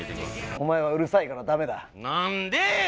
おまえはうるさいからダメだなんでえ！